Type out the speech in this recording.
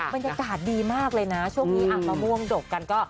บรรยากาศดีมากเลยนะช่วงนี้มะม่วงดกกันก็